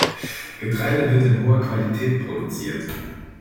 Getreide wird in hoher Qualität produziert.